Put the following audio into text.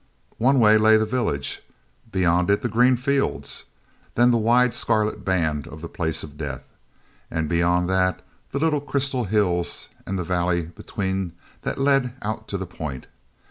One way lay the village; beyond it the green fields; then the wide scarlet band of the Place of Death. And beyond that the little crystal hills and the valley between that led out to the point.